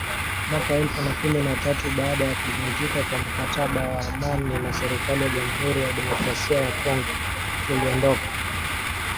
Mwaka elfu na kumi na tatu, baada ya kuvunjika kwa mkataba wa amani na serikali ya Jamuhuri ya Demokrasia ya Kongo, tuliondoka